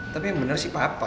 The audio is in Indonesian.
tapi yang bener sih papa